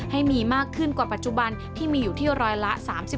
ให้มีมากขึ้นกว่าปัจจุบันที่มีอยู่ที่ร้อยละ๓๔